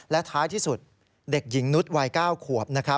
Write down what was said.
และท้ายที่สุดเด็กหญิงนุษย์วัย๙ขวบ